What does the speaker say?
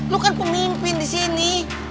lo kan pemimpin di sini